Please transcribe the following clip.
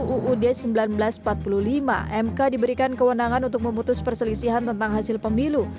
uud seribu sembilan ratus empat puluh lima mk diberikan kewenangan untuk memutus perselisihan tentang hasil pemilu